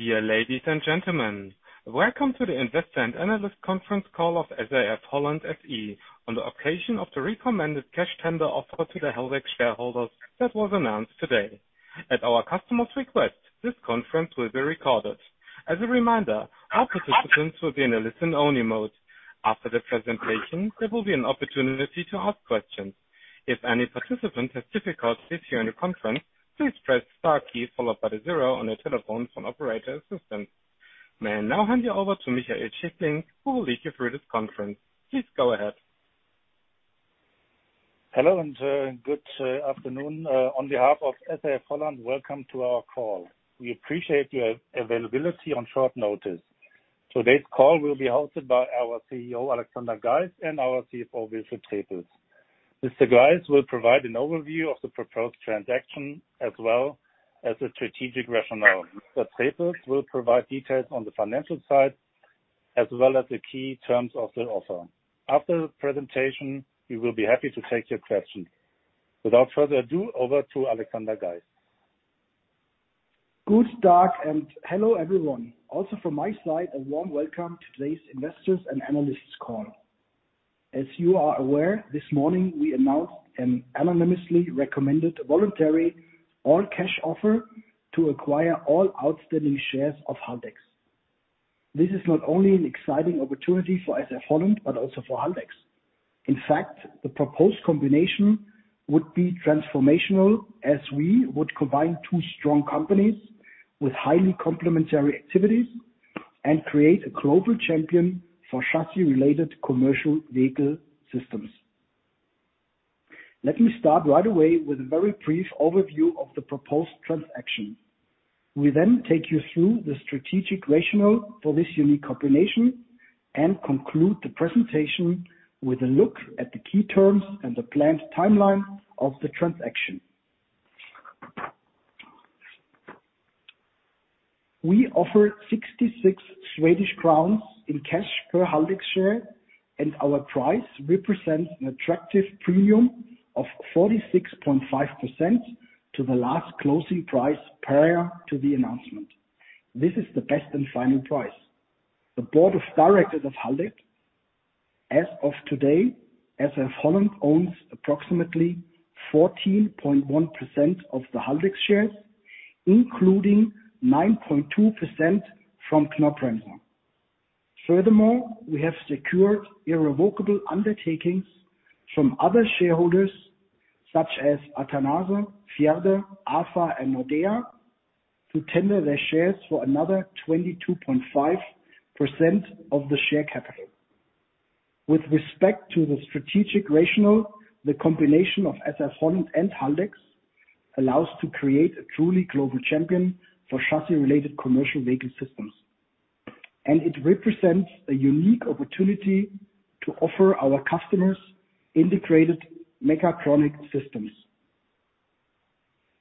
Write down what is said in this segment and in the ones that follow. Dear ladies and gentlemen, welcome to the Investor and Analyst conference call of SAF-HOLLAND SE on the occasion of the recommended cash tender offer to the Haldex shareholders that was announced today. At our customer's request, this conference will be recorded. As a reminder, all participants will be in a listen-only mode. After the presentation, there will be an opportunity to ask questions. If any participant has difficulty hearing the conference, please press star key followed by the zero on your telephone for an operator assistant. May I now hand you over to Michael Schickling, who will lead you through this conference. Please go ahead. Hello, good afternoon. On behalf of SAF-HOLLAND, welcome to our call. We appreciate your availability on short notice. Today's call will be hosted by our CEO, Alexander Geis, and our CFO, Wilfried Trepels. Mr. Geis will provide an overview of the proposed transaction as well as the strategic rationale. Mr. Trepels will provide details on the financial side, as well as the key terms of the offer. After the presentation, we will be happy to take your questions. Without further ado, over to Alexander Geis. Good start, hello everyone. Also from my side, a warm welcome to today's investors and analysts call. As you are aware, this morning we announced a unanimously recommended voluntary all-cash offer to acquire all outstanding shares of Haldex. This is not only an exciting opportunity for SAF-HOLLAND but also for Haldex. In fact, the proposed combination would be transformational, as we would combine two strong companies with highly complementary activities and create a global champion for chassis-related commercial vehicle systems. Let me start right away with a very brief overview of the proposed transaction. We then take you through the strategic rationale for this unique combination and conclude the presentation with a look at the key terms and the planned timeline of the transaction. We offer 66 Swedish crowns in cash per Haldex share, and our price represents an attractive premium of 46.5% to the last closing price prior to the announcement. This is the best and final price. The board of directors of Haldex, as of today, SAF-HOLLAND owns approximately 14.1% of the Haldex shares, including 9.2% from Knorr-Bremse. Furthermore, we have secured irrevocable undertakings from other shareholders such as Athanase, Fjärde, Afa, and Nordea to tender their shares for another 22.5% of the share capital. With respect to the strategic rationale, the combination of SAF-HOLLAND and Haldex allows to create a truly global champion for chassis-related commercial vehicle systems. It represents a unique opportunity to offer our customers integrated mechatronic systems.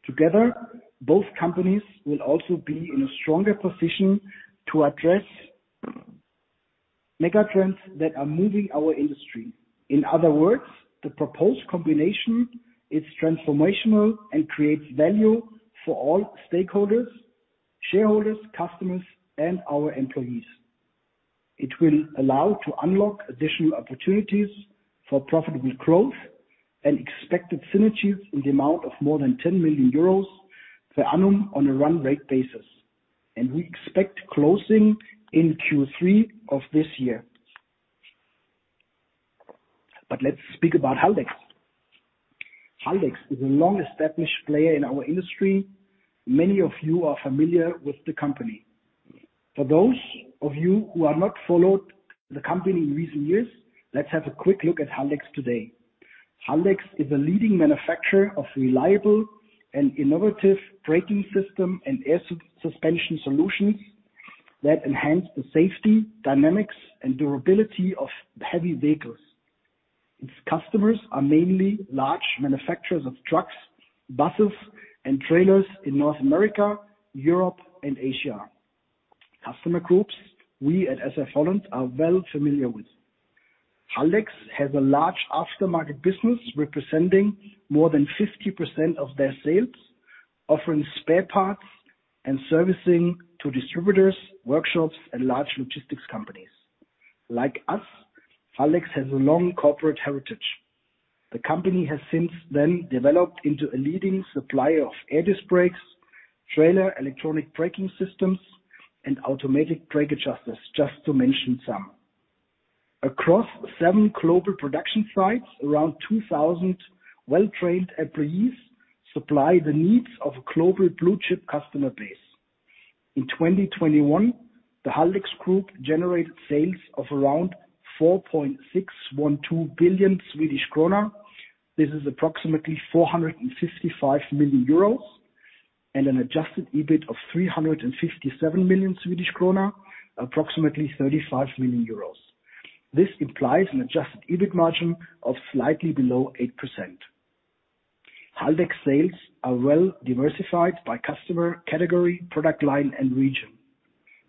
Together, both companies will also be in a stronger position to address megatrends that are moving our industry. In other words, the proposed combination is transformational and creates value for all stakeholders, shareholders, customers, and our employees. It will allow to unlock additional opportunities for profitable growth and expected synergies in the amount of more than 10 million euros per annum on a run rate basis. We expect closing in Q3 of this year. Let's speak about Haldex. Haldex is a long-established player in our industry. Many of you are familiar with the company. For those of you who have not followed the company in recent years, let's have a quick look at Haldex today. Haldex is a leading manufacturer of reliable and innovative braking system and air suspension solutions that enhance the safety, dynamics, and durability of heavy vehicles. Its customers are mainly large manufacturers of trucks, buses, and trailers in North America, Europe, and Asia. Customer groups we at SAF-HOLLAND are well familiar with. Haldex has a large aftermarket business representing more than 50% of their sales, offering spare parts and servicing to distributors, workshops, and large logistics companies. Like us, Haldex has a long corporate heritage. The company has since then developed into a leading supplier of air disc brakes, trailer electronic braking systems, and automatic brake adjusters, just to mention some. Across seven global production sites, around 2,000 well-trained employees supply the needs of a global blue-chip customer base. In 2021, the Haldex Group generated sales of around 4.612 billion Swedish krona. This is approximately 455 million euros and an adjusted EBIT of 357 million Swedish krona, approximately 35 million euros. This implies an adjusted EBIT margin of slightly below 8%. Haldex sales are well diversified by customer category, product line, and region,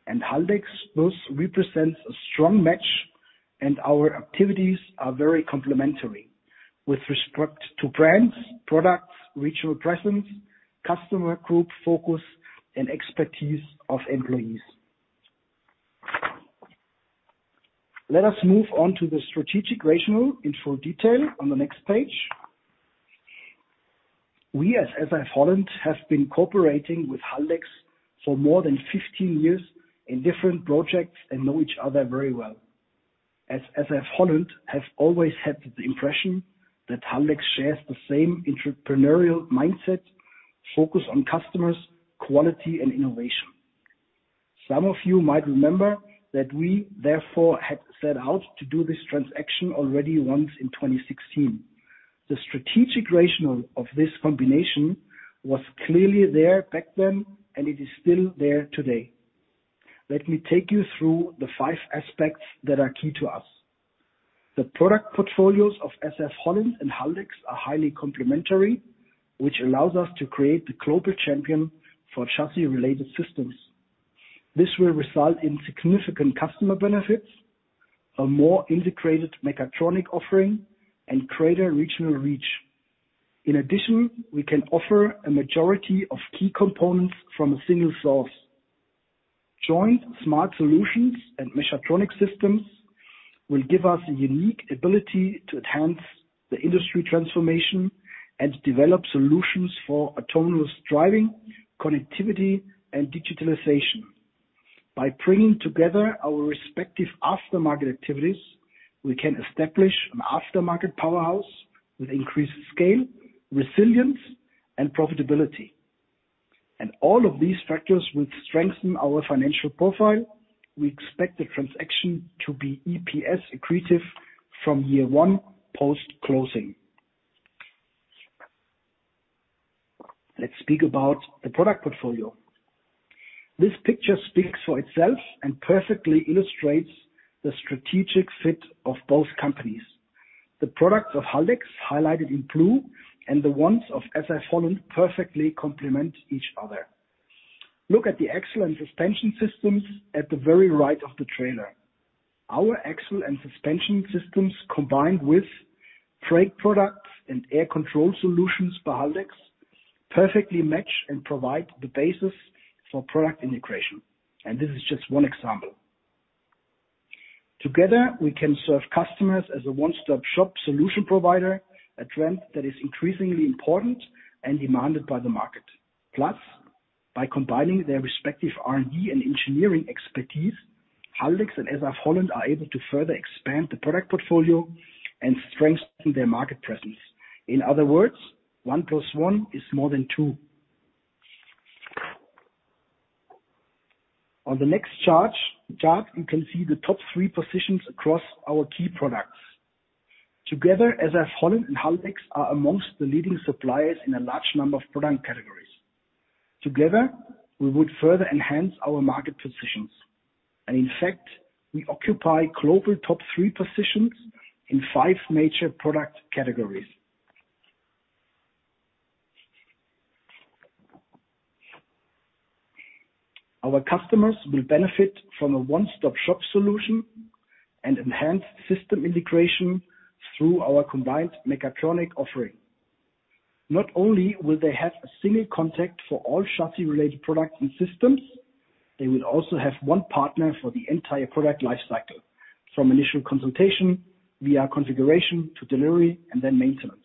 and Haldex thus represents a strong match. Our activities are very complementary with respect to brands, products, regional presence, customer group focus, and expertise of employees. Let us move on to the strategic rationale in full detail on the next page. We at SAF-HOLLAND have been cooperating with Haldex for more than 15 years in different projects and know each other very well. As SAF-HOLLAND have always had the impression that Haldex shares the same entrepreneurial mindset, focus on customers, quality, and innovation. Some of you might remember that we therefore had set out to do this transaction already once in 2016. The strategic rationale of this combination was clearly there back then, and it is still there today. Let me take you through the five aspects that are key to us. The product portfolios of SAF-HOLLAND and Haldex are highly complementary, which allows us to create the global champion for chassis-related systems. This will result in significant customer benefits, a more integrated mechatronic offering, and greater regional reach. In addition, we can offer a majority of key components from a single source. Joint smart solutions and mechatronic systems will give us a unique ability to enhance the industry transformation and develop solutions for autonomous driving, connectivity, and digitalization. By bringing together our respective aftermarket activities, we can establish an aftermarket powerhouse with increased scale, resilience, and profitability. All of these factors will strengthen our financial profile. We expect the transaction to be EPS accretive from year one post-closing. Let's speak about the product portfolio. This picture speaks for itself and perfectly illustrates the strategic fit of both companies. The products of Haldex, highlighted in blue, and the ones of SAF-HOLLAND perfectly complement each other. Look at the axle and suspension systems at the very right of the trailer. Our axle and suspension systems, combined with brake products and air control solutions by Haldex, perfectly match and provide the basis for product integration, and this is just one example. Together, we can serve customers as a one-stop-shop solution provider, a trend that is increasingly important and demanded by the market. Plus, by combining their respective R&D and engineering expertise, Haldex and SAF-HOLLAND are able to further expand the product portfolio and strengthen their market presence. In other words, one plus one is more than two. On the next chart, you can see the top three positions across our key products. Together, SAF-HOLLAND and Haldex are among the leading suppliers in a large number of product categories. Together, we would further enhance our market positions. In fact, we occupy global top three positions in five major product categories. Our customers will benefit from a one-stop-shop solution and enhanced system integration through our combined mechatronic offering. Not only will they have a single contact for all chassis-related products and systems, they will also have one partner for the entire product life cycle, from initial consultation via configuration to delivery and then maintenance.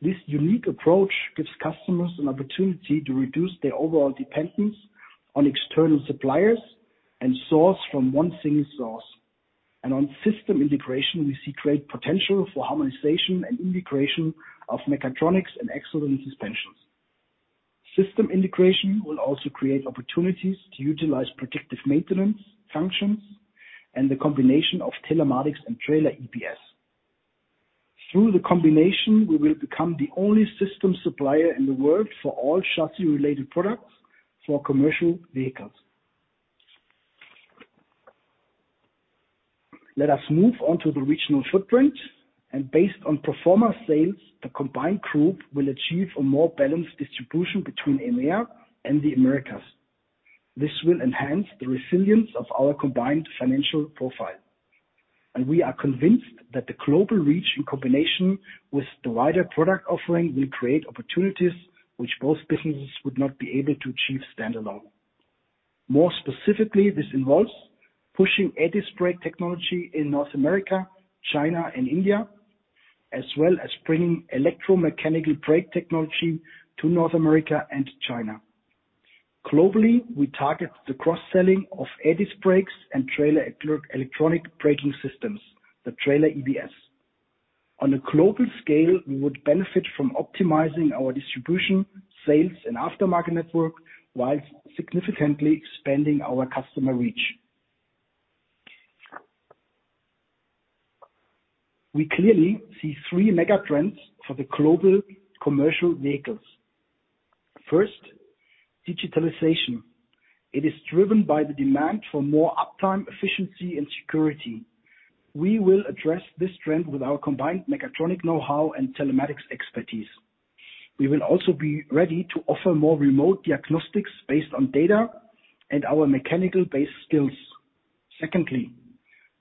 This unique approach gives customers an opportunity to reduce their overall dependence on external suppliers and source from one single source. On system integration, we see great potential for harmonization and integration of mechatronics and axle and suspensions. System integration will also create opportunities to utilize predictive maintenance functions and the combination of telematics and trailer EBS. Through the combination, we will become the only system supplier in the world for all chassis-related products for commercial vehicles. Let us move on to the regional footprint. Based on pro forma sales, the combined group will achieve a more balanced distribution between EMEA and the Americas. This will enhance the resilience of our combined financial profile, and we are convinced that the global reach, in combination with the wider product offering, will create opportunities which both businesses would not be able to achieve standalone. More specifically, this involves pushing air disc brake technology in North America, China, and India, as well as bringing electromechanical brake technology to North America and China. Globally, we target the cross-selling of air disc brakes and trailer electronic braking systems, the trailer EBS. On a global scale, we would benefit from optimizing our distribution, sales, and aftermarket network whilst significantly expanding our customer reach. We clearly see three mega trends for the global commercial vehicles. First, digitalization. It is driven by the demand for more uptime, efficiency, and security. We will address this trend with our combined mechatronic know-how and telematics expertise. We will also be ready to offer more remote diagnostics based on data and our mechanical base skills. Secondly,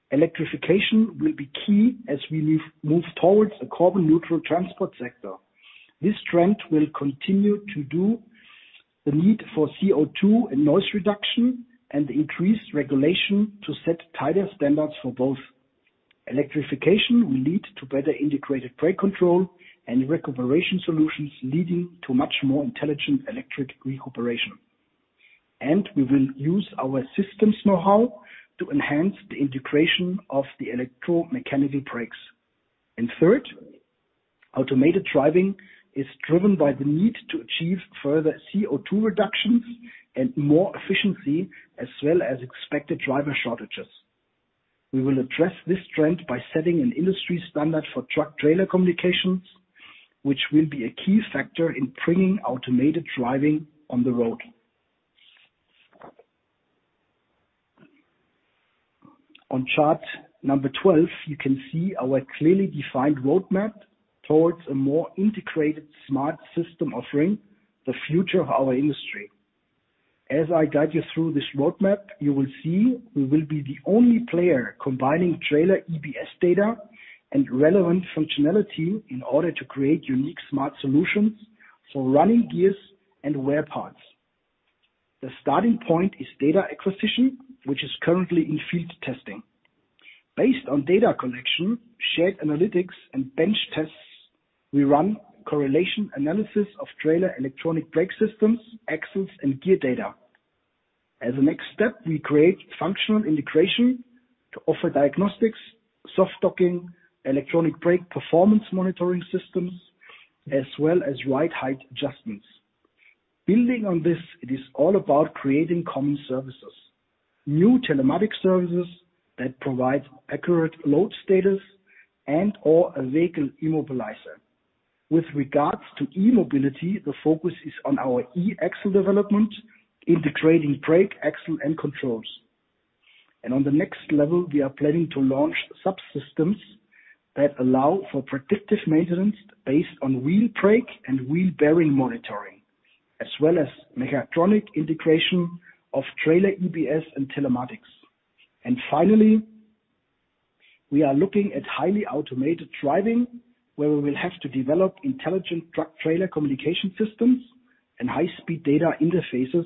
electrification will be key as we move towards a carbon neutral transport sector. This trend will continue to drive the need for CO2 and noise reduction and increased regulation to set tighter standards for both. Electrification will lead to better integrated brake control and recuperation solutions, leading to much more intelligent electric recuperation. We will use our systems know-how to enhance the integration of the electromechanical brakes. Third, automated driving is driven by the need to achieve further CO2 reductions and more efficiency, as well as expected driver shortages. We will address this trend by setting an industry standard for truck trailer communications, which will be a key factor in bringing automated driving on the road. On chart number 12, you can see our clearly defined roadmap towards a more integrated smart system, offering the future of our industry. As I guide you through this roadmap, you will see we will be the only player combining trailer EBS data and relevant functionality in order to create unique smart solutions for running gears and wear parts. The starting point is data acquisition, which is currently in field testing. Based on data collection, shared analytics and bench tests, we run correlation analysis of trailer electronic brake systems, axles, and gear data. As a next step, we create functional integration to offer diagnostics, soft docking, electronic brake performance monitoring systems, as well as ride height adjustments. Building on this, it is all about creating common services. New telematics services that provide accurate load status and/or a vehicle immobilizer. With regards to e-mobility, the focus is on our e-axle development, integrating brake, axle and controls. On the next level, we are planning to launch subsystems that allow for predictive maintenance based on wheel brake and wheel bearing monitoring, as well as mechatronic integration of Trailer EBS and telematics. Finally, we are looking at highly automated driving, where we will have to develop intelligent truck trailer communication systems and high-speed data interfaces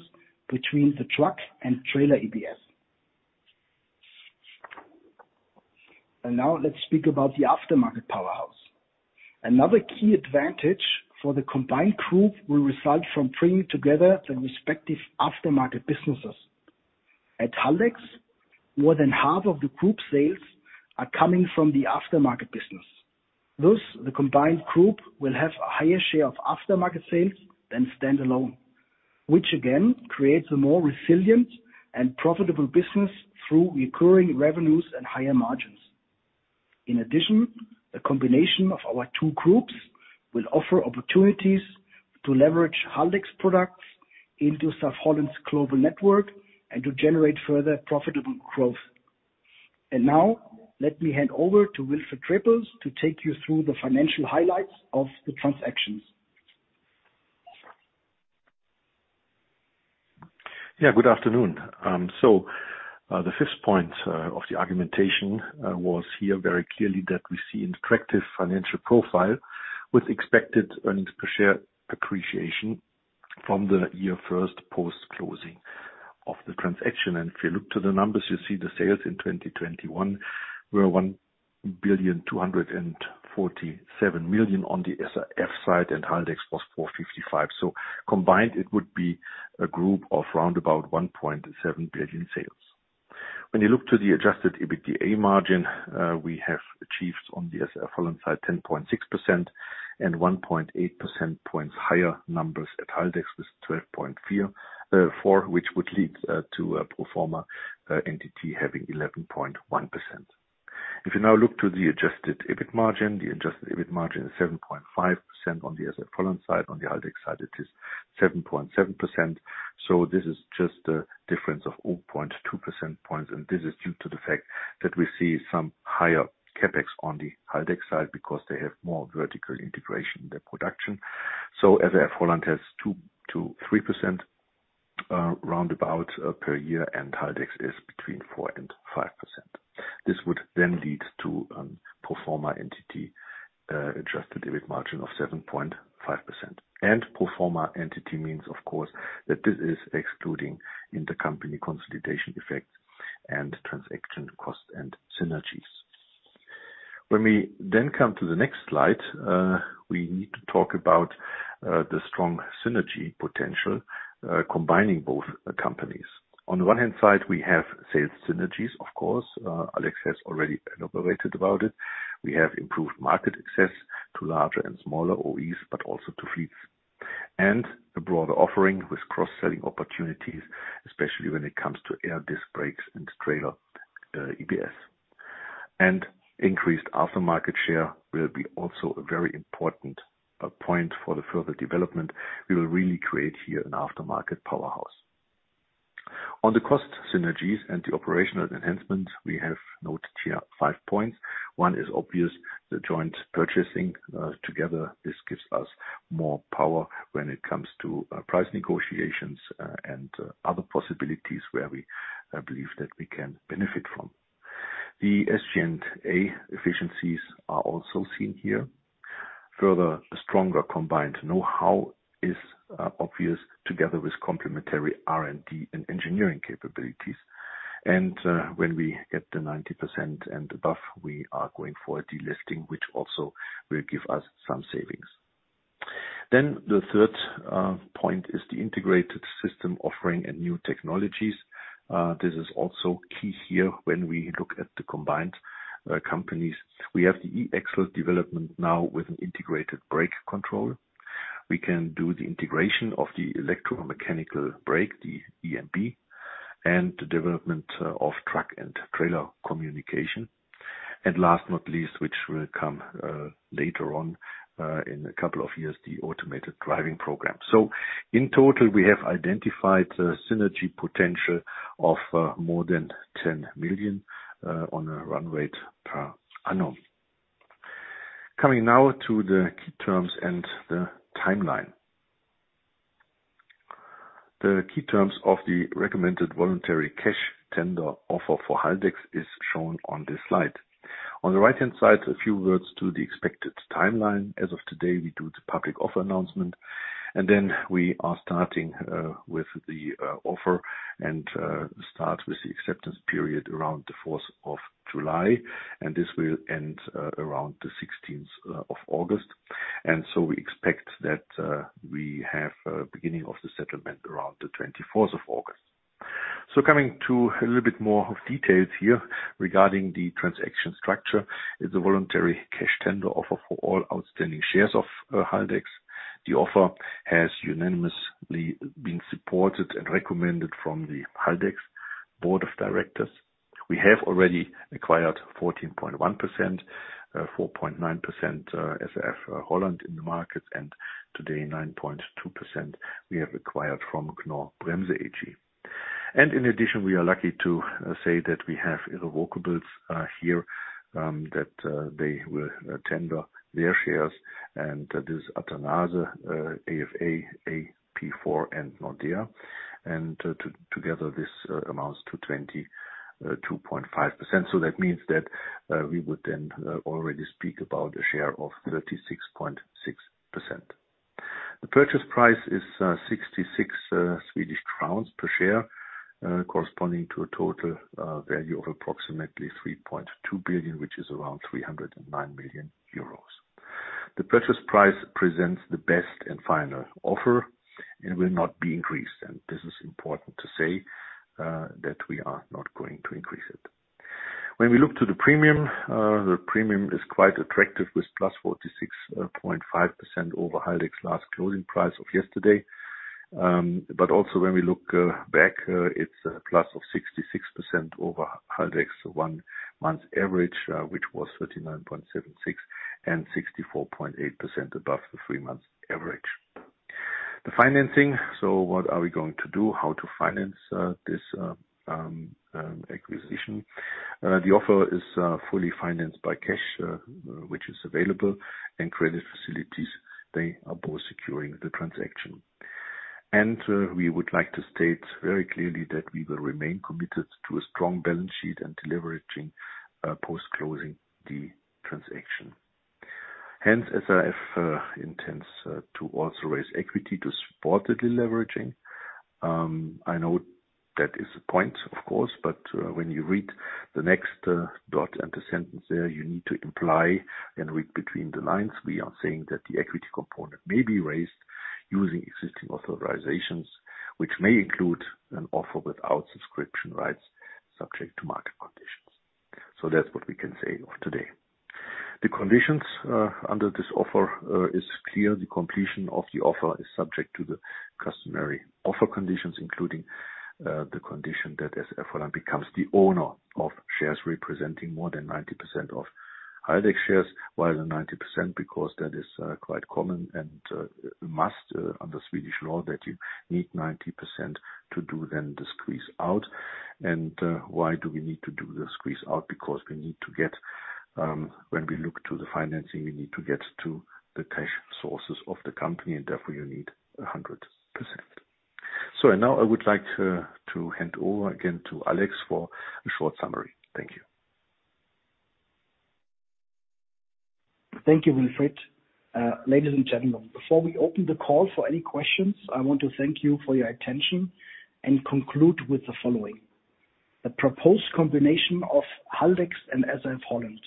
between the truck and Trailer EBS. Now let's speak about the aftermarket powerhouse. Another key advantage for the combined group will result from bringing together the respective aftermarket businesses. At Haldex, more than half of the group sales are coming from the aftermarket business. Thus, the combined group will have a higher share of aftermarket sales than standalone, which again, creates a more resilient and profitable business through recurring revenues and higher margins. In addition, the combination of our two groups will offer opportunities to leverage Haldex products into SAF-HOLLAND's global network and to generate further profitable growth. Now let me hand over to Wilfried Trepels to take you through the financial highlights of the transactions. Yeah. Good afternoon. The fifth point of the argumentation was here very clearly that we see an attractive financial profile with expected earnings per share appreciation from the year first post-closing of the transaction. If you look to the numbers, you see the sales in 2021 were 1,247 million on the SAF side, and Haldex was 455 million. Combined, it would be a group of round about 1.7 billion sales. When you look to the adjusted EBITDA margin, we have achieved on the SAF-HOLLAND side 10.6% and 1.8 percentage points higher numbers at Haldex with 12.4%, which would lead to a pro forma entity having 11.1%. If you now look to the adjusted EBIT margin, the adjusted EBIT margin is 7.5% on the SAF-HOLLAND side. On the Haldex side, it is 7.7%. This is just a difference of 0.2 percentage points, and this is due to the fact that we see some higher CapEx on the Haldex side because they have more vertical integration in their production. SAF-HOLLAND has 2%-3%, round about, per year, and Haldex is between 4% and 5%. This would then lead to pro forma entity adjusted EBIT margin of 7.5%. Pro forma entity means of course that this is excluding intercompany consolidation effects and transaction costs and synergies. When we then come to the next slide, we need to talk about the strong synergy potential combining both companies. On the one hand side, we have sales synergies, of course. Alex has already elaborated about it. We have improved market access to larger and smaller OEs, but also to fleets. A broader offering with cross-selling opportunities, especially when it comes to air disc brakes and trailer EBS. Increased aftermarket share will be also a very important point for the further development. We will really create here an aftermarket powerhouse. On the cost synergies and the operational enhancement, we have noted here five points. One is obvious, the joint purchasing together. This gives us more power when it comes to price negotiations and other possibilities where we believe that we can benefit from. The SG&A efficiencies are also seen here. Further, a stronger combined know-how is obvious together with complementary R&D and engineering capabilities. When we get the 90% and above, we are going for delisting, which also will give us some savings. The third point is the integrated system offering and new technologies. This is also key here when we look at the combined companies. We have the e-axle development now with an integrated brake control. We can do the integration of the electromechanical brake, the EMB, and the development of truck and trailer communication. Last but not least, which will come later on in a couple of years, the automated driving program. In total, we have identified a synergy potential of more than 10 million on a run rate per annum. Coming now to the key terms and the timeline. The key terms of the recommended voluntary cash tender offer for Haldex is shown on this slide. On the right-hand side, a few words to the expected timeline. As of today, we do the public offer announcement, and then we are starting with the offer and the acceptance period around the fourth of July. This will end around the sixteenth of August. We expect that we have beginning of the settlement around the twenty-fourth of August. Coming to a little bit more details here regarding the transaction structure. It's a voluntary cash tender offer for all outstanding shares of Haldex. The offer has unanimously been supported and recommended by the Haldex Board of Directors. We have already acquired 14.1%, 4.9% SAF-HOLLAND in the market, and today, 9.2% we have acquired from Knorr-Bremse AG. In addition, we are lucky to say that we have irrevocables here that they will tender their shares, and that is Athanase, AFA, AP4, and Nordea. Together this amounts to 22.5%. That means that we would then already speak about a share of 36.6%. The purchase price is 66 Swedish crowns per share, corresponding to a total value of approximately 3.2 billion, which is around 309 million euros. The purchase price presents the best and final offer and will not be increased. This is important to say that we are not going to increase it. When we look to the premium, the premium is quite attractive with plus 46.5% over Haldex's last closing price of yesterday. But also when we look back, it's a plus of 66% over Haldex one-month average, which was 39.76%, and 64.8% above the three-month average. The financing. What are we going to do? How to finance this acquisition? The offer is fully financed by cash, which is available, and credit facilities, they are both securing the transaction. We would like to state very clearly that we will remain committed to a strong balance sheet and deleveraging post-closing the transaction. Hence, SAF intends to also raise equity to support the deleveraging. I know that is a point, of course, but when you read the next dot and the sentence there, you need to imply and read between the lines. We are saying that the equity component may be raised using existing authorizations, which may include an offer without subscription rights, subject to market conditions. That's what we can say of today. The conditions under this offer is clear. The completion of the offer is subject to the customary offer conditions, including the condition that SAF-HOLLAND becomes the owner of shares representing more than 90% of Haldex shares. Why the 90%? Because that is quite common and a must under Swedish law, that you need 90% to do then the squeeze out. Why do we need to do the squeeze out? Because we need to get, when we look to the financing, we need to get to the cash sources of the company, and therefore you need 100%. Now I would like to hand over again to Alex for a short summary. Thank you. Thank you, Wilfried. Ladies and gentlemen, before we open the call for any questions, I want to thank you for your attention and conclude with the following. The proposed combination of Haldex and SAF-HOLLAND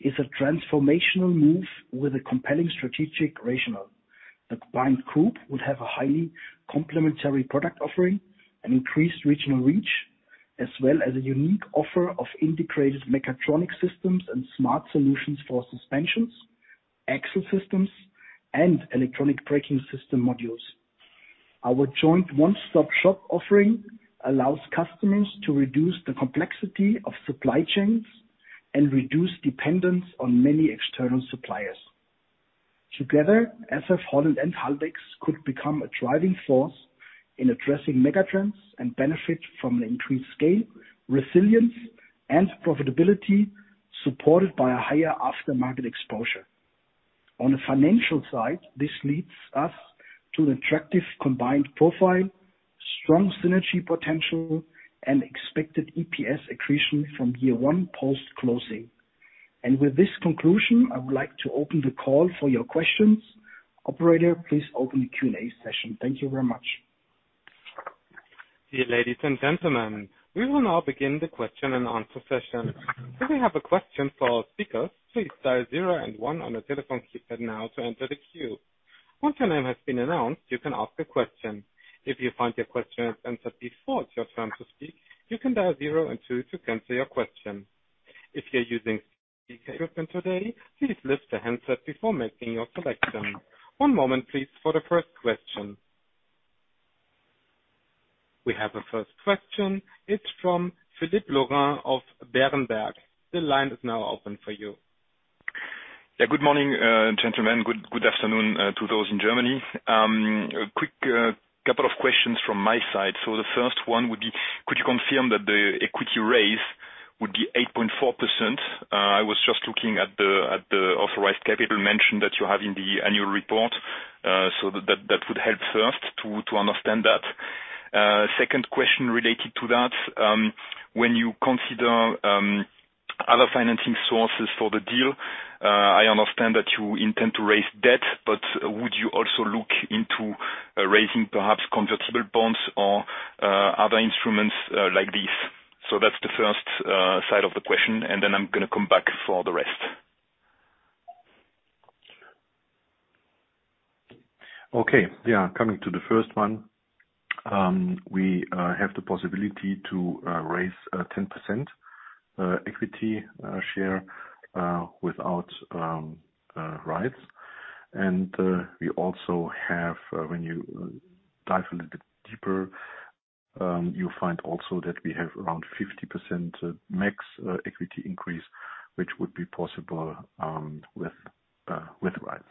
is a transformational move with a compelling strategic rationale. The combined group would have a highly complementary product offering, an increased regional reach, as well as a unique offer of integrated mechatronic systems and smart solutions for suspensions, axle systems, and electronic braking system modules. Our joint one-stop-shop offering allows customers to reduce the complexity of supply chains and reduce dependence on many external suppliers. Together, SAF-HOLLAND and Haldex could become a driving force in addressing megatrends and benefit from an increased scale, resilience, and profitability supported by a higher aftermarket exposure. On the financial side, this leads us to an attractive combined profile, strong synergy potential, and expected EPS accretion from year one post-closing. With this conclusion, I would like to open the call for your questions. Operator, please open the Q&A session. Thank you very much. Ladies and gentlemen, we will now begin the question and answer session. If you have a question for our speakers, please dial zero and one on your telephone keypad now to enter the queue. Once your name has been announced, you can ask a question. If you find your question answered before it's your turn to speak, you can dial zero and two to cancel your question. If you're using speakerphone today, please lift the handset before making your selection. One moment please for the first question. We have a first question. It's from Philippe Lorrain of Berenberg. The line is now open for you. Yeah, good morning, gentlemen. Good afternoon to those in Germany. A quick couple of questions from my side. The first one would be, could you confirm that the equity raise would be 8.4%? I was just looking at the authorized capital mention that you have in the annual report. That would help first to understand that. Second question related to that, when you consider other financing sources for the deal, I understand that you intend to raise debt, but would you also look into raising perhaps convertible bonds or other instruments like this? That's the first side of the question, and then I'm gonna come back for the rest. Okay. Yeah. Coming to the first one, we have the possibility to raise 10% equity share without rights. We also have, when you dive a little bit deeper, you find also that we have around 50% max equity increase, which would be possible with rights.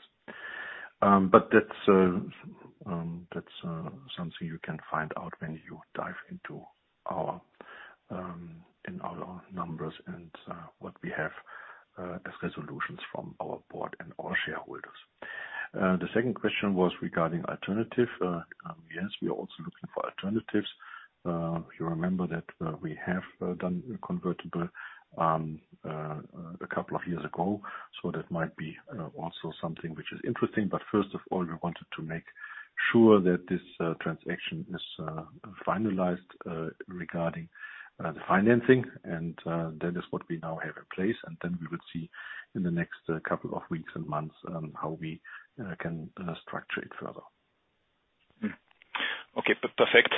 That's something you can find out when you dive into our numbers and what we have as resolutions from our board and our shareholders. The second question was regarding alternative. Yes, we are also looking for alternatives. If you remember that, we have done convertible a couple of years ago, so that might be also something which is interesting. First of all, we wanted to make sure that this transaction is finalized regarding the financing and that is what we now have in place. Then we would see in the next couple of weeks and months how we can structure it further. Perfect.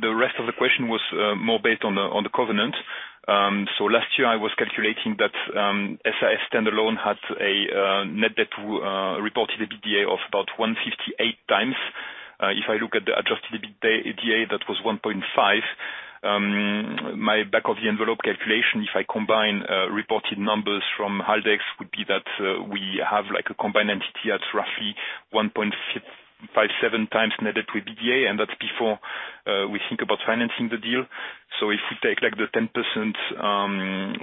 The rest of the question was more based on the covenant. Last year I was calculating that SAF standalone had a net debt reported EBITDA of about 1.58x. If I look at the adjusted EBITDA, that was 1.5x. My back of the envelope calculation, if I combine reported numbers from Haldex, would be that we have like a combined entity at roughly 1.57x net debt with EBITDA, and that's before we think about financing the deal. If we take like the 10%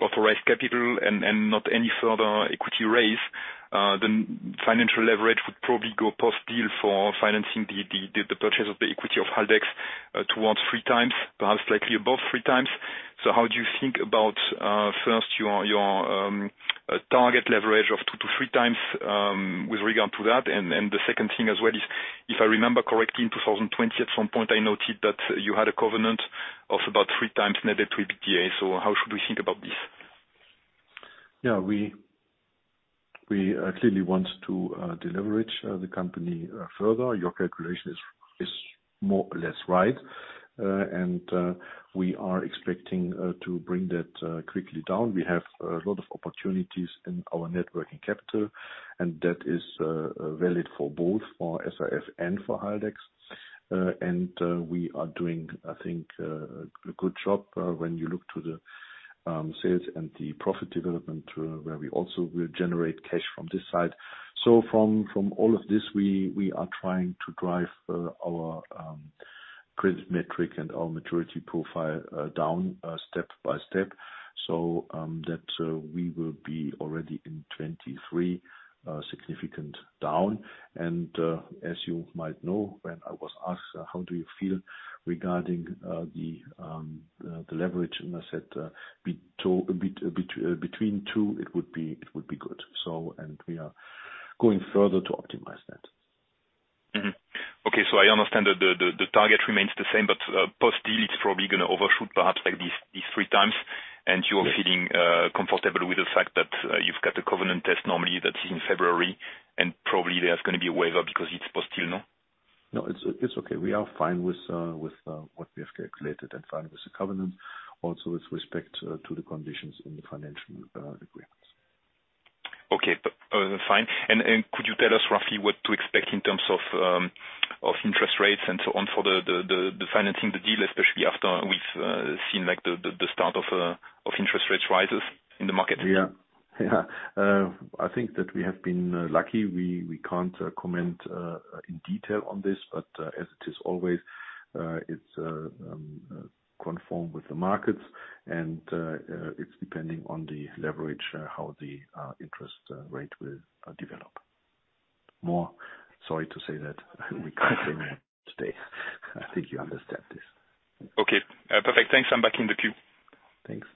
authorized capital and not any further equity raise, then financial leverage would probably go post-deal for financing the purchase of the equity of Haldex towards 3x, perhaps likely above 3x. How do you think about first your target leverage of 2x-3x with regard to that? The second thing as well is, if I remember correctly, in 2020, at some point, I noted that you had a covenant of about 3x net debt to EBITDA. How should we think about this? We clearly want to deleverage the company further. Your calculation is more or less right. We are expecting to bring that quickly down. We have a lot of opportunities in our net working capital, and that is valid for both for SAF and for Haldex. We are doing, I think, a good job when you look to the sales and the profit development, where we also will generate cash from this side. From all of this, we are trying to drive our credit metric and our maturity profile down step by step so that we will be already in 2023 significant down. As you might know, when I was asked, "How do you feel regarding the leverage?" I said between two it would be good. We are going further to optimize that. Okay. I understand that the target remains the same, but post-deal it's probably gonna overshoot perhaps like these three times. You're- Yes. Feeling comfortable with the fact that you've got a covenant test normally that's in February, and probably there's gonna be a waiver because it's post-deal, no? No, it's okay. We are fine with what we have calculated and fine with the covenant also with respect to the conditions in the financial agreements. Okay. Fine. Could you tell us roughly what to expect in terms of Of interest rates and so on for the financing the deal, especially after we've seen like the start of interest rates rises in the market. Yeah. Yeah. I think that we have been lucky. We can't comment in detail on this, but as it is always, it's conformed with the markets and it's depending on the leverage how the interest rate will develop. More, sorry to say that we can't say more today. I think you understand this. Okay, perfect. Thanks. I'm back in the queue. Thanks.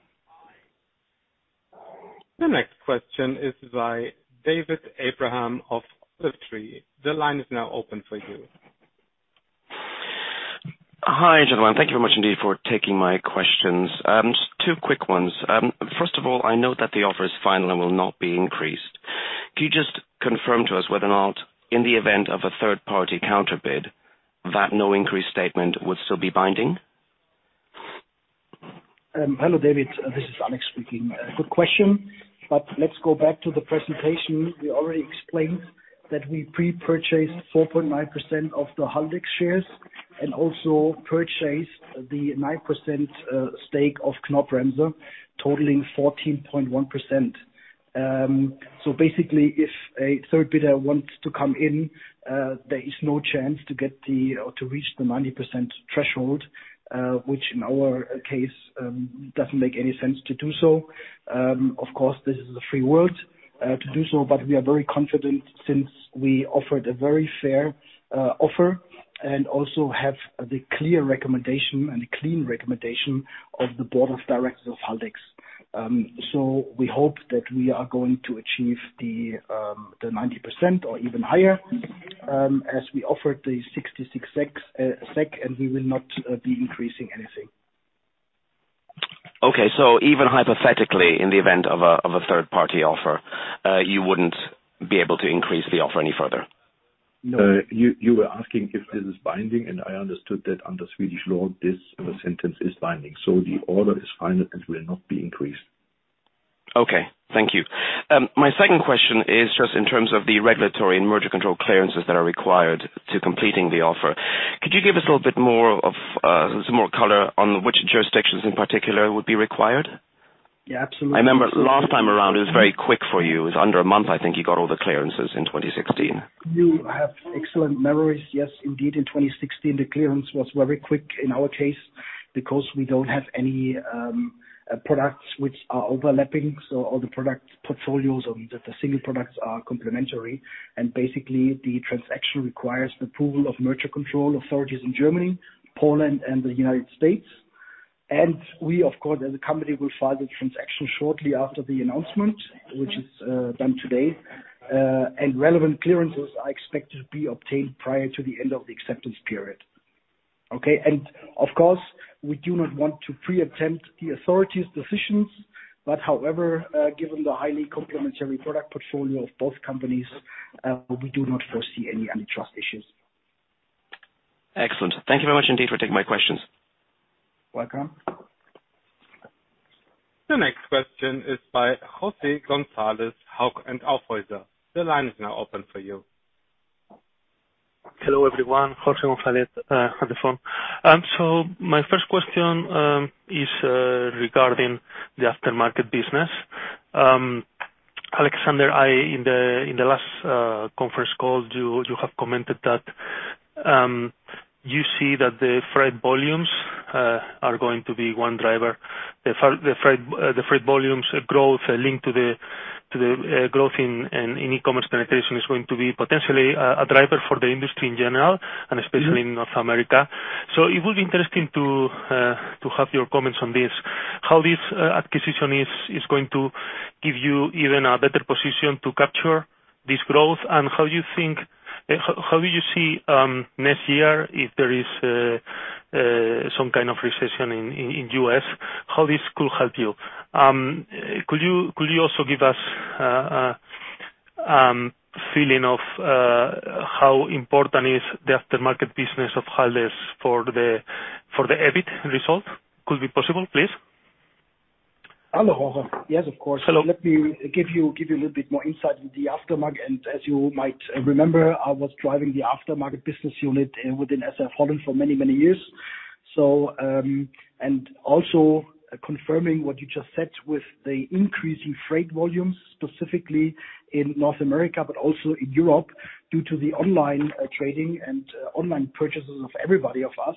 The next question is by David Maymon of Liberum. The line is now open for you. Hi, gentlemen. Thank you very much indeed for taking my questions. Just two quick ones. First of all, I note that the offer is final and will not be increased. Can you just confirm to us whether or not in the event of a third-party counter bid, that no increase statement would still be binding? Hello, David, this is Alex speaking. Good question, but let's go back to the presentation. We already explained that we pre-purchased 4.9% of the Haldex shares and also purchased the 9% stake of Knorr-Bremse totaling 14.1%. So basically, if a third bidder wants to come in, there is no chance to reach the 90% threshold, which in our case doesn't make any sense to do so. Of course, this is a free world to do so, but we are very confident since we offered a very fair offer and also have the clear recommendation and clean recommendation of the board of directors of Haldex. We hope that we are going to achieve the 90% or even higher, as we offered the 66 SEK, and we will not be increasing anything. Okay. Even hypothetically, in the event of a third-party offer, you wouldn't be able to increase the offer any further? No. You were asking if this is binding, and I understood that under Swedish law, this sentence is binding. The order is final, and will not be increased. Okay. Thank you. My second question is just in terms of the regulatory and merger control clearances that are required to completing the offer. Could you give us a little bit more of, some more color on which jurisdictions in particular would be required? Yeah, absolutely. I remember last time around, it was very quick for you. It was under a month, I think you got all the clearances in 2016. You have excellent memories. Yes, indeed, in 2016, the clearance was very quick in our case because we don't have any products which are overlapping. All the product portfolios or the single products are complementary. Basically, the transaction requires the approval of merger control authorities in Germany, Poland, and the United States. We, of course, as a company, will file the transaction shortly after the announcement, which is done today. Relevant clearances are expected to be obtained prior to the end of the acceptance period. Okay. Of course, we do not want to preempt the authorities' decisions, but however, given the highly complementary product portfolio of both companies, we do not foresee any antitrust issues. Excellent. Thank you very much indeed for taking my questions. Welcome. The next question is by José Gonzalez, Hauck & Aufhäuser. The line is now open for you. Hello, everyone. José Gonzalez on the phone. My first question is regarding the aftermarket business. Alexander Geis, in the last conference call, you have commented that you see that the freight volumes are going to be one driver. The freight volumes growth linked to the growth in e-commerce penetration is going to be potentially a driver for the industry in general, and especially in North America. It would be interesting to have your comments on this. How this acquisition is going to give you even a better position to capture this growth and how do you see next year, if there is some kind of recession in U.S., how this could help you? Could you also give us feeling of how important is the aftermarket business of Haldex for the EBIT result? Could it be possible, please? Hello, José. Yes, of course. Hello. Let me give you a little bit more insight in the aftermarket. As you might remember, I was driving the aftermarket business unit within SAF-HOLLAND for many, many years. Also confirming what you just said with the increase in freight volumes, specifically in North America, but also in Europe, due to the online trading and online purchases of everybody of us.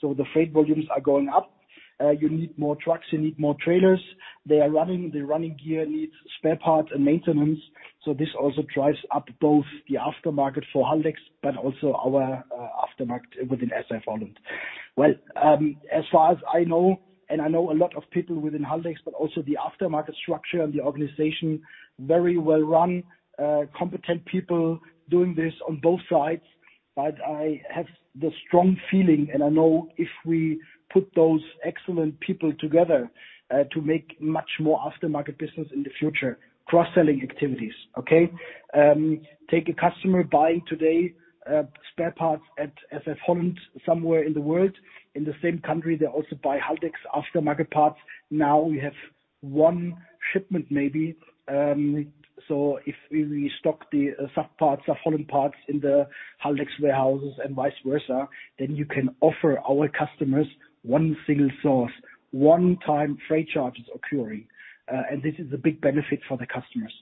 The freight volumes are going up. You need more trucks, you need more trailers. They are running, the running gear needs spare parts and maintenance. This also drives up both the aftermarket for Haldex, but also our aftermarket within SAF-HOLLAND. As far as I know, and I know a lot of people within Haldex, but also the aftermarket structure and the organization, very well run, competent people doing this on both sides. I have the strong feeling, and I know if we put those excellent people together, to make much more aftermarket business in the future, cross-selling activities, okay. Take a customer buying today, spare parts at SAF-HOLLAND, somewhere in the world. In the same country, they also buy Haldex aftermarket parts. Now we have one shipment maybe. If we stock the SAF parts, the Holland parts in the Haldex warehouses and vice versa, then you can offer our customers one single source, one time freight charges occurring. This is a big benefit for the customers.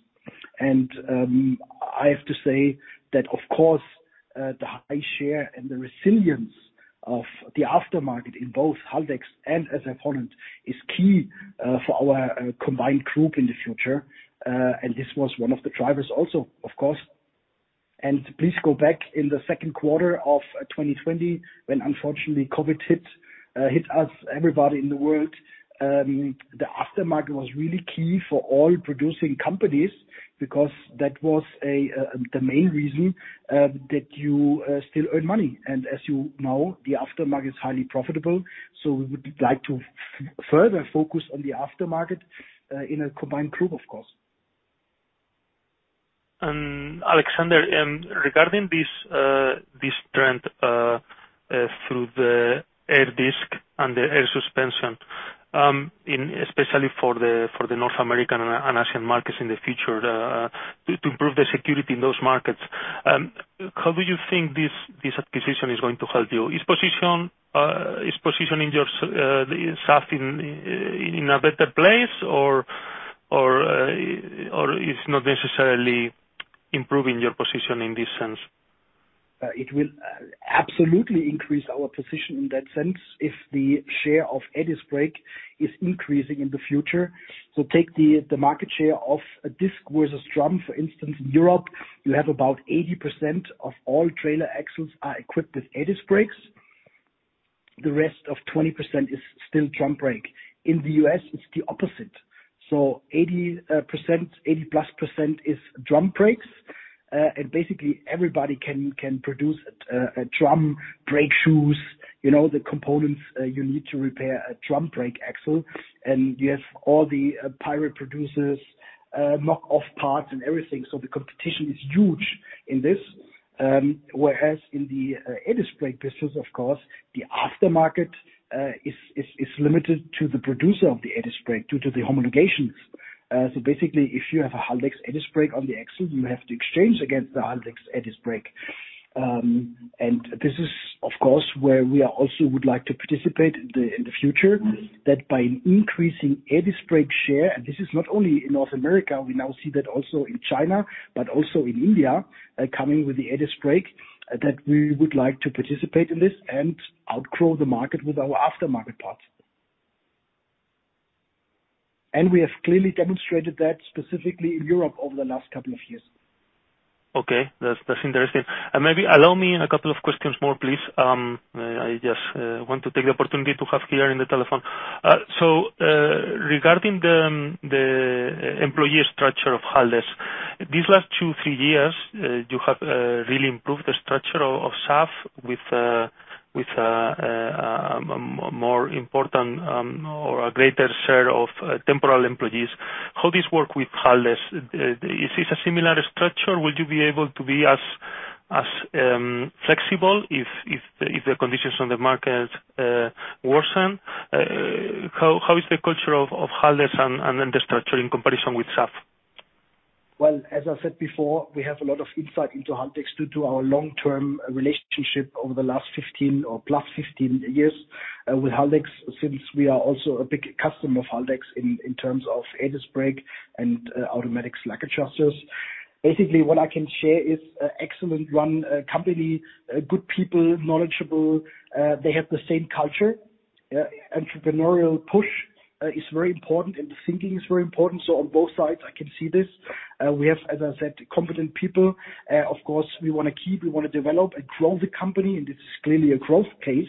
I have to say that, of course, the high share and the resilience of the aftermarket in both Haldex and SAF-HOLLAND is key, for our combined group in the future. This was one of the drivers also, of course. Please go back in the second quarter of 2020 when unfortunately COVID hit us, everybody in the world. The aftermarket was really key for all producing companies because that was the main reason that you still earn money. As you know, the aftermarket is highly profitable, so we would like to further focus on the aftermarket in a combined group, of course. Alexander Geis, regarding this trend through the air disc and the air suspension especially for the North American and Asian markets in the future to improve the security in those markets, how do you think this acquisition is going to help you? Is positioning the SAF in a better place or it's not necessarily improving your position in this sense? It will absolutely increase our position in that sense, if the share of air disc brake is increasing in the future. Take the market share of a disc versus drum, for instance. In Europe, you have about 80% of all trailer axles are equipped with air disc brakes. The rest of 20% is still drum brake. In the U.S., it's the opposite. 80%+, eighty-plus percent is drum brakes. And basically everybody can produce a drum brake shoes, you know, the components you need to repair a drum brake axle, and you have all the pirate producers, knock-off parts and everything. The competition is huge in this. Whereas in the air disc brake business, of course, the aftermarket is limited to the producer of the air disc brake due to the homologation. Basically, if you have a Haldex EDI brake on the axle, you have to exchange against the Haldex EDI brake. This is of course where we would also like to participate in the future by increasing EDI brake share, and this is not only in North America, we now see that also in China, but also in India coming with the EDI brake, that we would like to participate in this and outgrow the market with our aftermarket parts. We have clearly demonstrated that specifically in Europe over the last couple of years. Okay. That's interesting. Maybe allow me a couple of questions more, please. I just want to take the opportunity to have here on the telephone. So, regarding the employee structure of Haldex, these last two, three years, you have really improved the structure of SAF with a greater share of temporary employees. How this work with Haldex? Is this a similar structure? Would you be able to be as flexible if the conditions on the market worsen? How is the culture of Haldex and the structure in comparison with SAF? Well, as I said before, we have a lot of insight into Haldex due to our long-term relationship over the last 15 or 15+ years with Haldex, since we are also a big customer of Haldex in terms of air disc brake and automatic slack adjusters. Basically, what I can share is excellent run company, good people, knowledgeable, they have the same culture. Entrepreneurial push is very important, and the thinking is very important. On both sides, I can see this. We have, as I said, competent people. Of course, we wanna keep, we wanna develop and grow the company, and this is clearly a growth case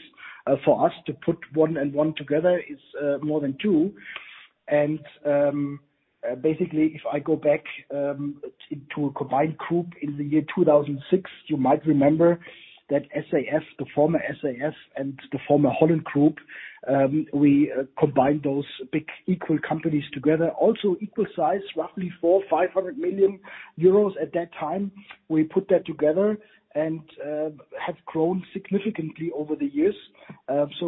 for us to put one and one together is more than two. Basically, if I go back to a combined group in the year 2006, you might remember that SAF, the former SAF and the former Holland Group, we combined those big equal companies together, also equal size, roughly 450 million euros at that time. We put that together and have grown significantly over the years.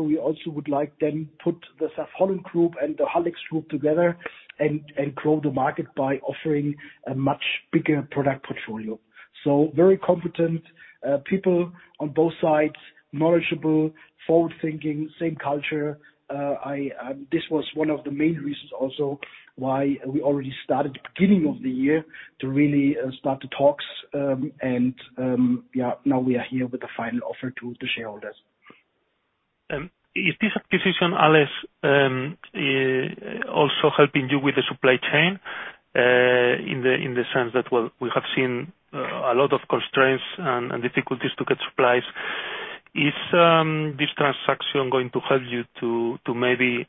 We also would like then put the SAF-HOLLAND Group and the Haldex Group together and grow the market by offering a much bigger product portfolio. Very competent people on both sides, knowledgeable, forward-thinking, same culture. This was one of the main reasons also why we already started the beginning of the year to really start the talks. Yeah, now we are here with the final offer to the shareholders. Is this acquisition, Alex, also helping you with the supply chain, in the sense that, well, we have seen a lot of constraints and difficulties to get supplies. Is this transaction going to help you to maybe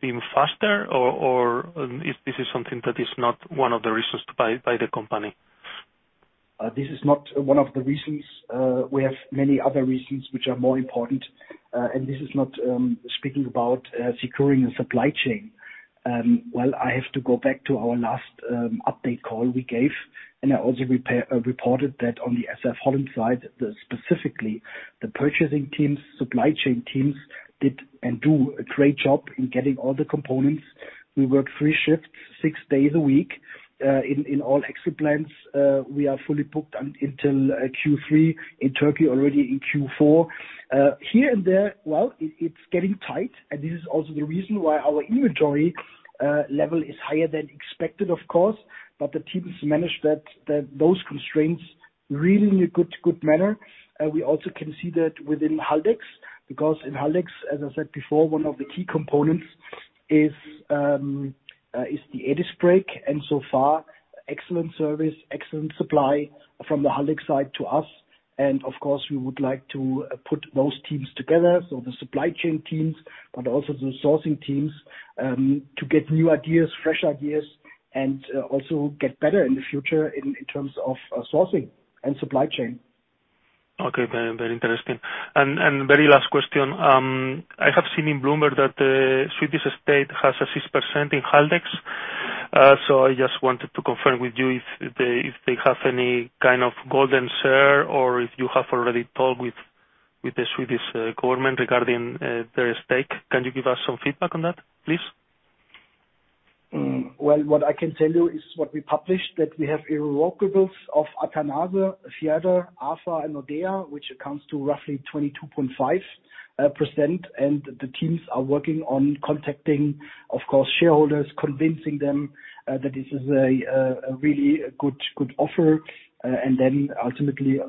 be faster or if this is something that is not one of the reasons to buy the company? This is not one of the reasons. We have many other reasons which are more important. This is not speaking about securing the supply chain. Well, I have to go back to our last update call we gave, and I also reported that on the SAF-HOLLAND side, specifically, the purchasing teams, supply chain teams did and do a great job in getting all the components. We work three shifts, six days a week, in all axle plants. We are fully booked until Q3 in Turkey, already in Q4. Here and there, it's getting tight, and this is also the reason why our inventory level is higher than expected, of course. The teams managed that, those constraints really in a good manner. We also can see that within Haldex, as I said before, one of the key components is the air disc brake, and so far excellent service, excellent supply from the Haldex side to us. Of course, we would like to put those teams together so the supply chain teams, but also the sourcing teams, to get new ideas, fresh ideas, and also get better in the future in terms of sourcing and supply chain. Okay. Very, very interesting. Very last question. I have seen in Bloomberg that the Swedish state has a 6% in Haldex. So I just wanted to confirm with you if they have any kind of golden share or if you have already talked with the Swedish government regarding their stake. Can you give us some feedback on that, please? Well, what I can tell you is what we published, that we have irrevocables of Athanase, Fjärde, Afa, and Nordea, which amounts to roughly 22.5%. The teams are working on contacting, of course, shareholders, convincing them that this is a really good offer. Ultimately,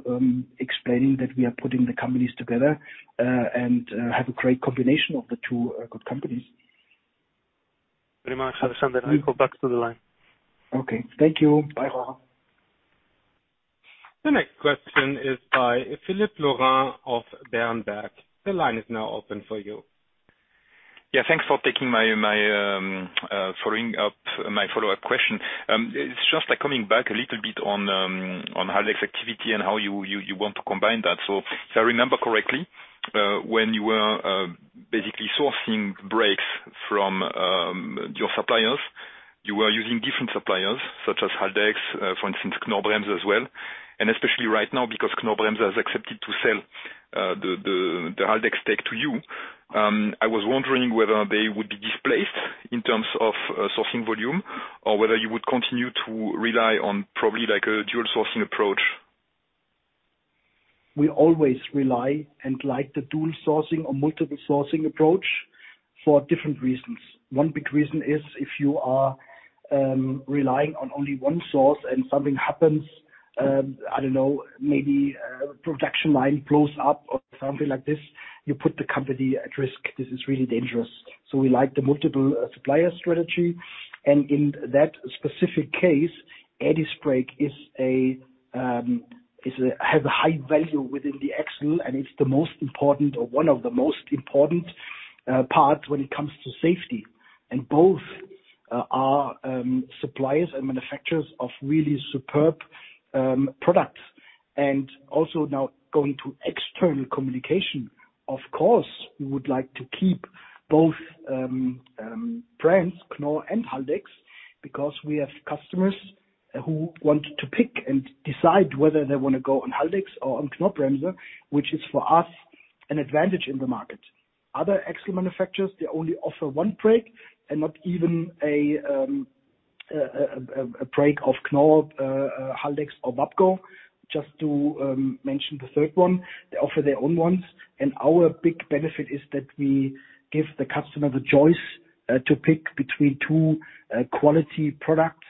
explaining that we are putting the companies together and have a great combination of the two good companies. Very much, Alexander. I go back to the line. Okay. Thank you. Bye, Jose Gonzalez. The next question is by Philippe Lorrain of Berenberg. The line is now open for you. Yeah. Thanks for taking my follow-up question. It's just like coming back a little bit on Haldex activity and how you want to combine that. If I remember correctly, when you were basically sourcing brakes from your suppliers, you were using different suppliers, such as Haldex, for instance, Knorr-Bremse as well. Especially right now, because Knorr-Bremse has accepted to sell the Haldex tech to you. I was wondering whether they would be displaced in terms of sourcing volume or whether you would continue to rely on probably like a dual sourcing approach. We always rely and like the dual sourcing or multiple sourcing approach for different reasons. One big reason is if you are relying on only one source and something happens, I don't know, maybe a production line blows up or something like this, you put the company at risk. This is really dangerous. We like the multiple supplier strategy. In that specific case, air disc brake has a high value within the axle, and it's the most important or one of the most important parts when it comes to safety. Both are suppliers and manufacturers of really superb products. Also now going to external communication, of course, we would like to keep both brands, Knorr-Bremse and Haldex, because we have customers who want to pick and decide whether they wanna go on Haldex or on Knorr-Bremse, which is for us an advantage in the market. Other axle manufacturers, they only offer one brake and not even a brake of Knorr-Bremse, Haldex or Wabco. Just to mention the third one. They offer their own ones. Our big benefit is that we give the customer the choice to pick between two quality products.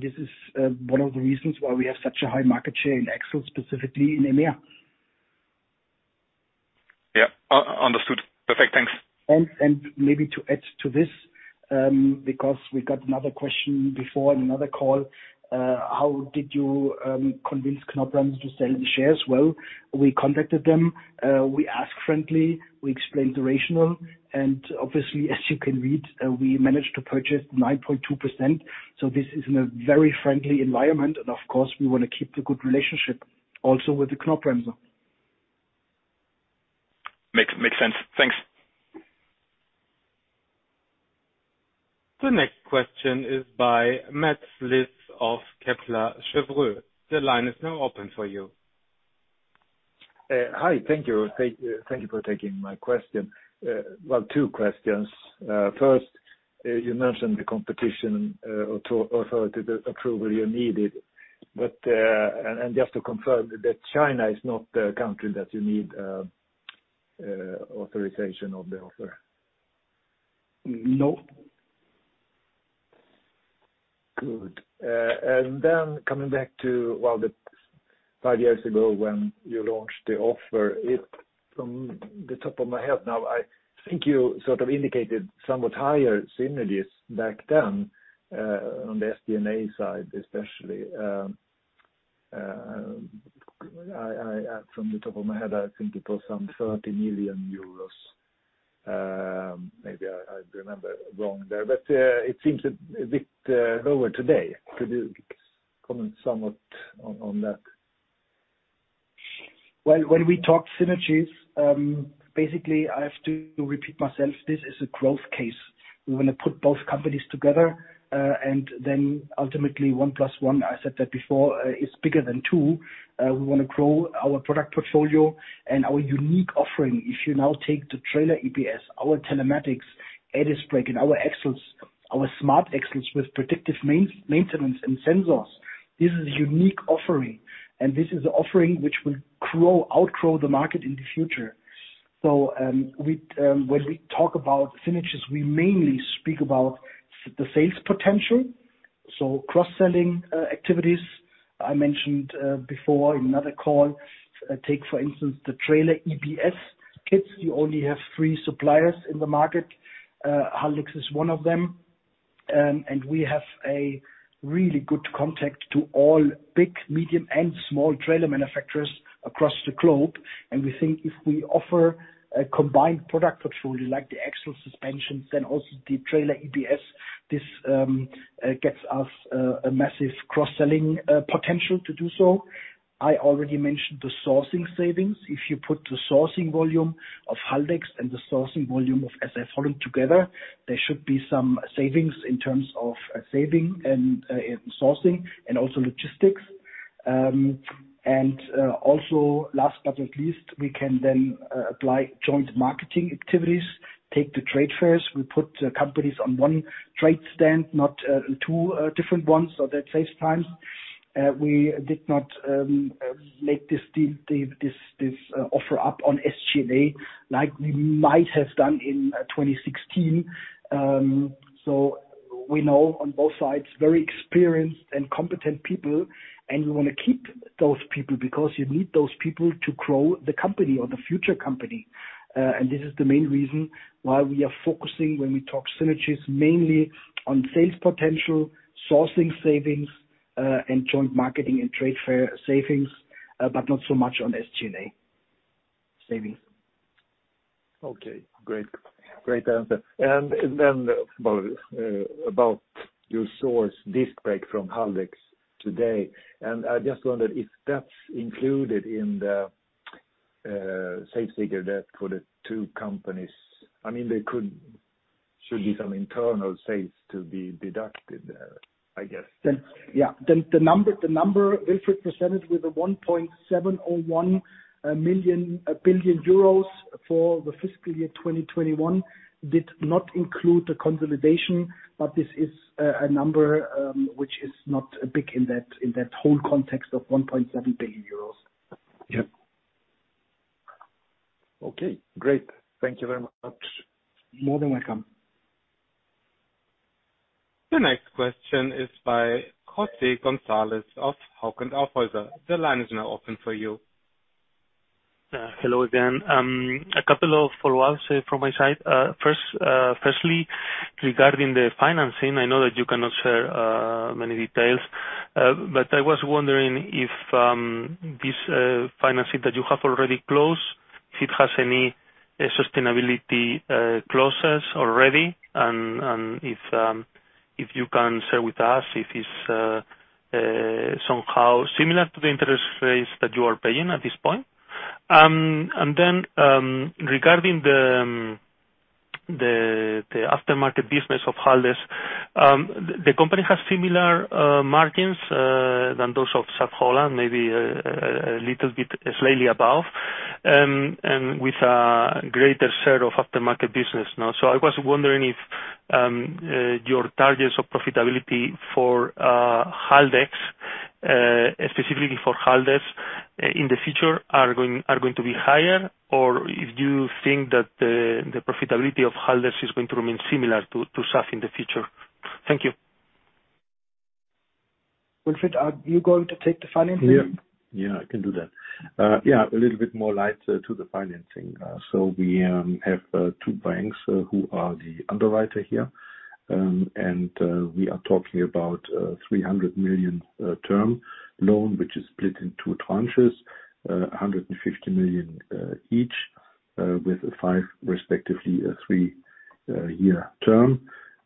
This is one of the reasons why we have such a high market share in axles, specifically in EMEA. Yeah. Understood. Perfect. Thanks. Maybe to add to this, because we got another question before in another call, how did you convince Knorr-Bremse to sell the shares? Well, we contacted them, we asked friendly, we explained the rationale, and obviously, as you can read, we managed to purchase 9.2%. This is in a very friendly environment. Of course, we wanna keep the good relationship also with Knorr-Bremse. Makes sense. Thanks. The next question is by Matthias Schütz of Kepler Cheuvreux. The line is now open for you. Hi. Thank you. Thank you for taking my question. Well, two questions. First, you mentioned the competition authority, the approval you needed. Just to confirm that China is not the country that you need authorization of the offer? No. Good. Coming back to the five years ago when you launched the offer. From the top of my head now, I think you sort of indicated somewhat higher synergies back then on the SDNA side, especially. From the top of my head, I think it was some 30 million euros. Maybe I remember wrong there, but it seems a bit lower today. Could you comment somewhat on that? Well, when we talk synergies, basically, I have to repeat myself, this is a growth case. We wanna put both companies together, and then ultimately one plus one, I said that before, is bigger than two. We wanna grow our product portfolio and our unique offering. If you now take the trailer EBS, our telematics, air disc brake and our axles, our smart axles with predictive maintenance and sensors. This is a unique offering, and this is the offering which will outgrow the market in the future. When we talk about synergies, we mainly speak about the sales potential, so cross-selling activities. I mentioned, before in another call, take for instance the trailer EBS kits. You only have three suppliers in the market. Haldex is one of them. We have a really good contact to all big, medium, and small trailer manufacturers across the globe. We think if we offer a combined product portfolio like the axle suspensions, then also the Trailer EBS, this gets us a massive cross-selling potential to do so. I already mentioned the sourcing savings. If you put the sourcing volume of Haldex and the sourcing volume of SAF-HOLLAND together, there should be some savings in terms of saving and sourcing and also logistics. Also, last but not least, we can then apply joint marketing activities. Take the trade fairs, we put companies on one trade stand, not two different ones, so that saves time. We did not make this offer up on SG&A like we might have done in 2016. We know on both sides very experienced and competent people, and we wanna keep those people because you need those people to grow the company or the future company. This is the main reason why we are focusing when we talk synergies mainly on sales potential, sourcing savings, and joint marketing and trade fair savings, but not so much on SG&A savings. Okay. Great. Great answer. About your air disc brake from Haldex today. I just wondered if that's included in the sales figures for the two companies. I mean, there should be some internal sales to be deducted, I guess. The number Wilfried presented with the 1.701 billion euros for the fiscal year 2021 did not include the consolidation, but this is a number which is not big in that whole context of 1.7 billion euros. Yep. Okay, great. Thank you very much. More than welcome. The next question is by Jose Gonzalez of Hauck & Aufhäuser. The line is now open for you. Hello again. A couple of follow-ups from my side. Firstly, regarding the financing, I know that you cannot share many details, but I was wondering if this financing that you have already closed has any sustainability clauses already, and if you can share with us if it's somehow similar to the interest rates that you are paying at this point. Regarding the aftermarket business of Haldex, the company has similar margins than those of SAF-HOLLAND, maybe a little bit slightly above, and with a greater share of aftermarket business now. I was wondering if your targets of profitability for Haldex, specifically for Haldex in the future are going to be higher, or if you think that the profitability of Haldex is going to remain similar to SAF in the future. Thank you. Wilfried, are you going to take the financing? Yeah. Yeah, I can do that. Yeah, a little bit more light to the financing. We have two banks who are the underwriter here. We are talking about 300 million term loan, which is split in two tranches, 150 million each, with a five respectively three year term.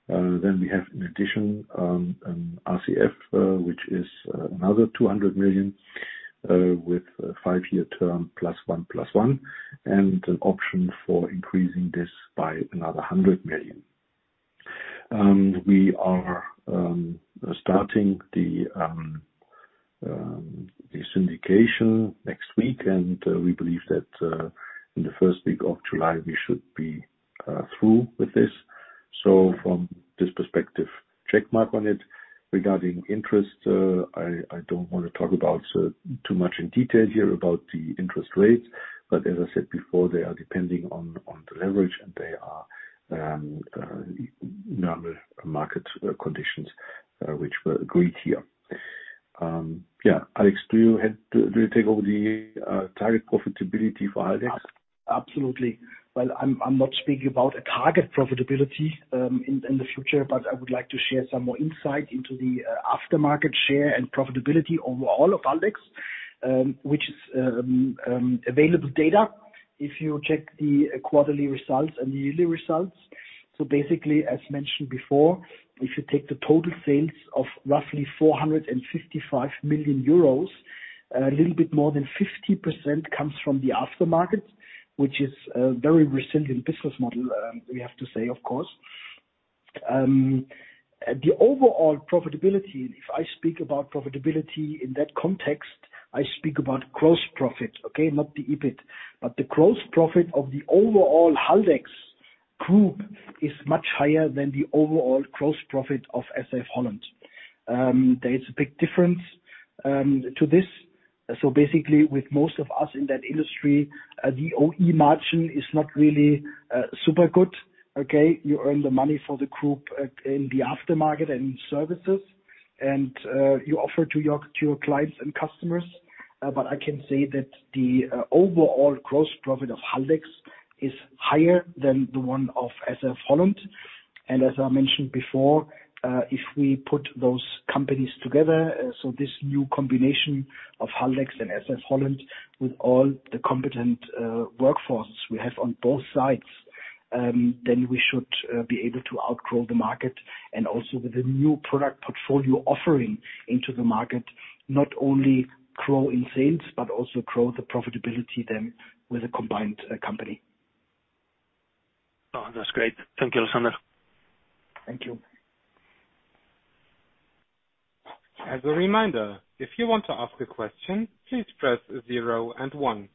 We have in addition an RCF, which is another 200 million with a five-year term plus one plus one, and an option for increasing this by another 100 million. We are starting the syndication next week, and we believe that in the first week of July, we should be through with this. From this perspective, check mark on it. Regarding interest, I don't wanna talk about too much in detail here about the interest rates, but as I said before, they are depending on the leverage, and they are normal market conditions, which were agreed here. Yeah. Alex, do you take over the target profitability for Haldex? Absolutely. Well, I'm not speaking about a target profitability in the future, but I would like to share some more insight into the aftermarket share and profitability overall of Haldex, which is available data if you check the quarterly results and the yearly results. Basically, as mentioned before, if you take the total sales of roughly 455 million euros, a little bit more than 50% comes from the aftermarket, which is very resilient business model, we have to say, of course. The overall profitability, if I speak about profitability in that context, I speak about gross profit, okay? Not the EBIT, but the gross profit of the overall Haldex group is much higher than the overall gross profit of SAF-HOLLAND. There is a big difference to this. Basically with most of us in that industry, the OE margin is not really super good, okay? You earn the money for the group in the aftermarket and services, and you offer to your clients and customers. I can say that the overall gross profit of Haldex is higher than the one of SAF-HOLLAND. As I mentioned before, if we put those companies together, this new combination of Haldex and SAF-HOLLAND with all the competent workforces we have on both sides, then we should be able to outgrow the market and also with a new product portfolio offering into the market, not only grow in sales, but also grow the profitability then with a combined company. Oh, that's great. Thank you, Alexander. Thank you. As a reminder, if you want to ask a question, please press zero and one.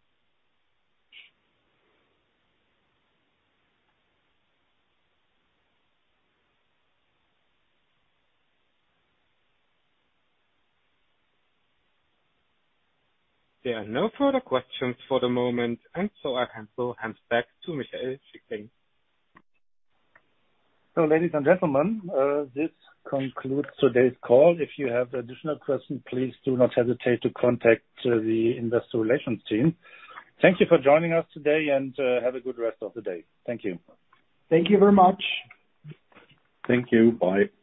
There are no further questions for the moment, and so I hand back to Michael Schickling. Ladies and gentlemen, this concludes today's call. If you have additional questions, please do not hesitate to contact the investor relations team. Thank you for joining us today and have a good rest of the day. Thank you. Thank you very much. Thank you. Bye.